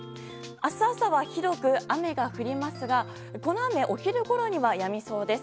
明日朝は広く雨が降りますがこの雨お昼ごろにはやみそうです。